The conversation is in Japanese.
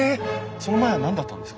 その前は何だったんですか？